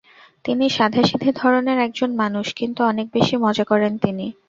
তিনি সাদাসিধে ধরনের একজন মানুষ কিন্তু অনেক বেশি মজা করেন তিনি।